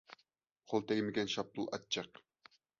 قول تەگمىگەن شاپتۇل ئاچچىق.